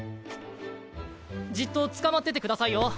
じっとつかまっててくださいよ。